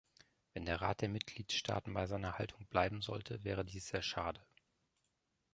Wenn der Rat der Mitgliedstaaten bei seiner Haltung bleiben sollte, wäre dies sehr schade.